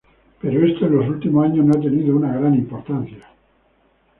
Pero esto en los últimos años no ha tenido una gran importancia.